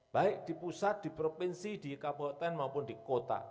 baik di pusat di provinsi di kabupaten maupun di kota